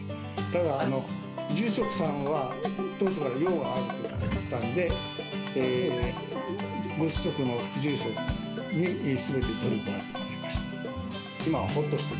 ただ、住職さんは当初から用があるということだったので、ご子息の副住職さんにすべて執り行ってもらいました。